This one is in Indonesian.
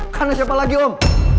karena siapa lagi om